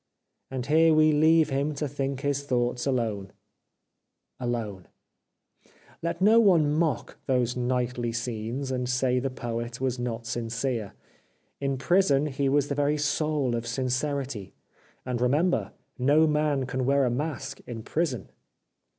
And here we leave him to think his thoughts alone — Alone ! Let no one mock those nightly scenes, and say the Poet was not sincere. In prison he was the very soul of sincerity — and remember, no man can wear a mask in prison.